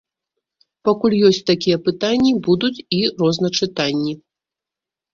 Пакуль ёсць такія пытанні, будуць і розначытанні.